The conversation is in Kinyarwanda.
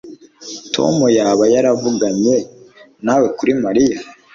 Tom yaba yaravuganye nawe kuri Mariya